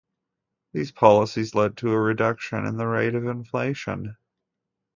These policies led to a reduction in the rate of inflation.